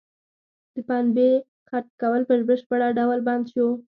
د پنبې څرخ کول په بشپړه ډول بند شو.